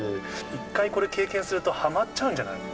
一回、これ経験しちゃうと、はまっちゃうんじゃない？